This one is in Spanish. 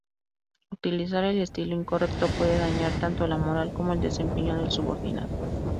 Utilizar el estilo incorrecto puede dañar tanto la moral como el desempeño del subordinado.